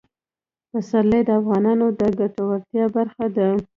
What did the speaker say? پسرلی د افغانانو د ګټورتیا برخه ده.